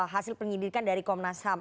hasil penyidikan dari komnas ham